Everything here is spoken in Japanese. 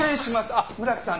あっ村木さん